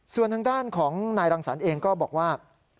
ส่วนทางด้านของนายรังสรรค์เองก็บอกว่า